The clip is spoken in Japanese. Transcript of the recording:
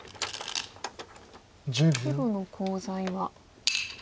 黒のコウ材は。